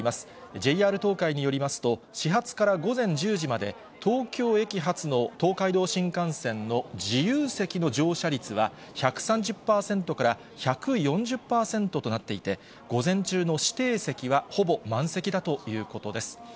ＪＲ東海によりますと、始発から午前１０時まで、東京駅発の東海道新幹線の自由席の乗車率は、１３０％から１４０％となっていて、午前中の指定席はほぼ満席だということです。